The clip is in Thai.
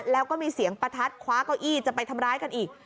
แล้วก็มีเสียงประทัดคว้าเก้าอี้จะไปทำร้ายกันอีก